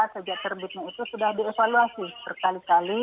sejak terbitnya itu sudah dievaluasi berkali kali